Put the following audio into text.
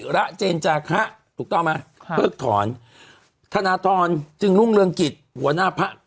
หรือต่างคร้ำต่างว้าระ